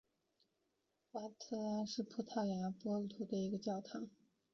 瓦拉达里什是葡萄牙波尔图区的一个堂区。